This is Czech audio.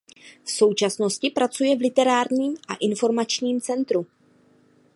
V současnosti pracuje v Literárním a informačním centru.